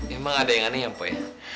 emang ada yang aneh ya pak ya